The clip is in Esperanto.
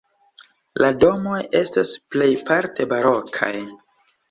La domoj estas plejparte barokaj.